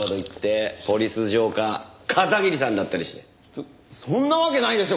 そそんなわけないでしょう！